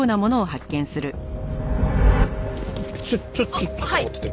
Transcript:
ちょっちょっと持ってて。